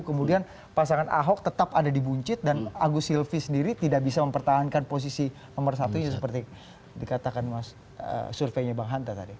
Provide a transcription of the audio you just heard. kemudian pasangan ahok tetap ada di buncit dan agus silvi sendiri tidak bisa mempertahankan posisi nomor satu seperti dikatakan surveinya bang hanta tadi